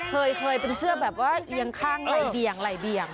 เคยเป็นเสื้อแบบว่าเอียงข้างไล่เบี่ยงไหล่เบี่ยง